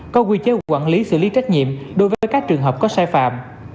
có quy chế quản lý xử lý trách nhiệm đối với các trường hợp có sai phạm